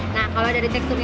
nah kalau ada deteksi ini